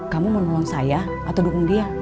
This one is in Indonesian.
kamu mau nolong saya atau dukung dia